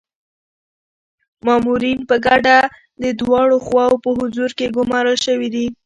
مامورین په ګډه د دواړو خواوو په حضور کي ګمارل شوي دي.